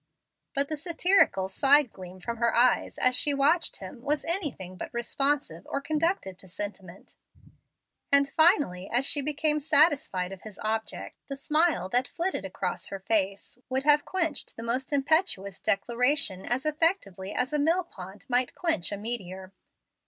But the satirical side gleam from her eyes, as she watched him, was anything but responsive or conducive to sentiment; and finally, as she became satisfied of his object, the smile that flitted across her face would have quenched the most impetuous declaration as effectually as a mill pond might quench a meteor.